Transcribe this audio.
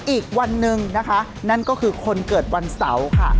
อีกวันหนึ่งนะคะนั่นก็คือคนเกิดวันเสาร์ค่ะ